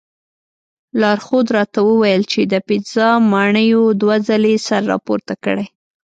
لارښود راته وویل چې د پیترا ماڼیو دوه ځلې سر راپورته کړی.